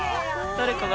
誰かが。